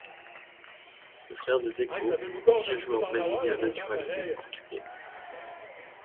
Le frère de Deco, ancien joueur brésilien naturalisé portugais.